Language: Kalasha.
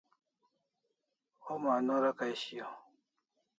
Homa anorà kay shiaw